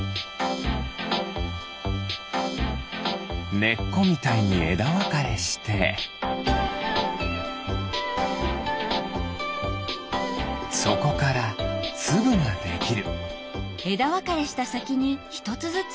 ねっこみたいにえだわかれしてそこからつぶができる。